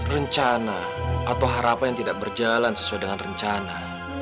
rencana atau harapan yang tidak berjalan sesuai dengan rencana